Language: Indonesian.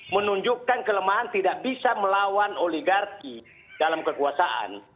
menunjukkan kelemahan tidak bisa melawan oligarki dalam kekuasaan